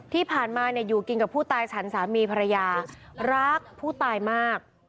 ที่ผ่านมาอยู่กินกับผู้ตายฉันสามีภรรยารักผู้ตายมาก